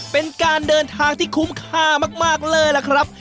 เป็นการเดินทางที่คุ้มค่ามากเลยล่ะครับ